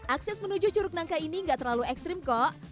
akses menuju curug nangka ini nggak terlalu ekstrim kok